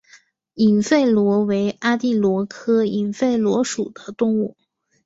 隐肺螺为阿地螺科隐肺螺属的动物。